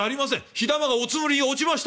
火玉がおつむりに落ちましたよ」。